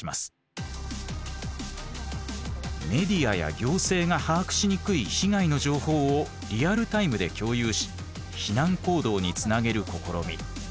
メディアや行政が把握しにくい被害の情報をリアルタイムで共有し避難行動につなげる試み。